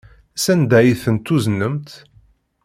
Sanda ay ten-tuznemt?